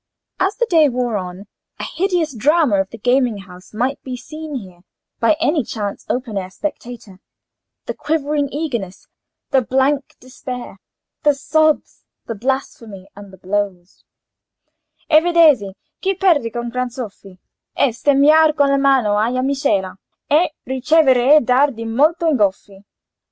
As the day wore on, the hideous drama of the gaming house might be seen here by any chance open air spectator—the quivering eagerness, the blank despair, the sobs, the blasphemy, and the blows:— "E vedesi chi perde con gran soffi, E bestemmiar colla mano alia mascella, E ricever e dar di molti ingoffi."